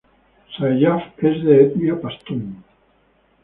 Sayyaf es de la etnia pastún.